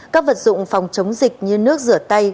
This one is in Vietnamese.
các vật dụng phòng chống dịch như nước rửa tay